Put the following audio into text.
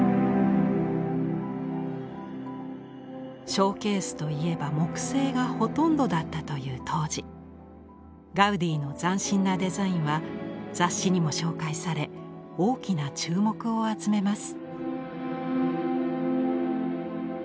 ショーケースといえば木製がほとんどだったという当時ガウディの斬新なデザインは雑誌にも紹介され大きな注目を集めます。